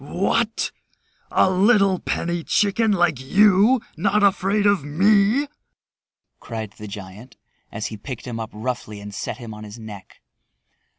"What, a little penny chicken like you not afraid of me!" cried the giant as he picked him up roughly and set him on his neck.